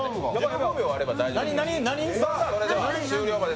１５秒あれば大丈夫ですので。